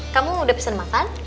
kamu udah pesen makan